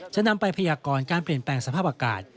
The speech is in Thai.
จะนำไปพยากรการเปลี่ยนแปลงสภาพอากาศ